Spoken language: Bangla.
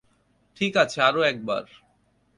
ঠিক আছে, আরো এক বার।